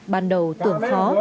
ban đầu tưởng khó